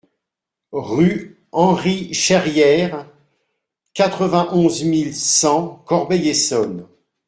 Rue Henri Cherrière, quatre-vingt-onze mille cent Corbeil-Essonnes